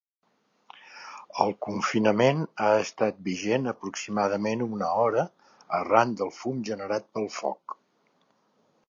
El confinament ha estat vigent aproximadament una hora, arran del fum generat pel foc.